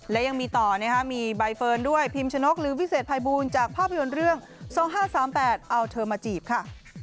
และยังมีต่อนะคะมีใบเฟิร์นด้วยพิมชนกหรือวิเศษภัยบูลจากภาพยนตร์เรื่อง๒๕๓๘เอาเธอมาจีบค่ะ